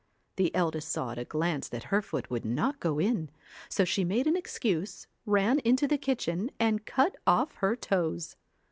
The eldest saw at a glance that her foot would not go in, so she made an excuse, ran into the kitchen and cutoff her toes.